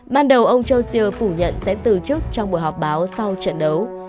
ban đầu ông châu siêu phủ nhận sẽ từ chức trong buổi họp báo sau trận đấu